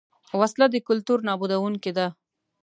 وسله د کلتور نابودوونکې ده